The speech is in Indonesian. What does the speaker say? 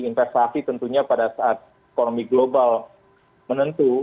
investasi tentunya pada saat ekonomi global menentu